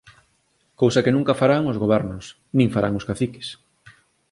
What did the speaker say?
Cousa que nunca farán os gobernos, nin farán os caciques!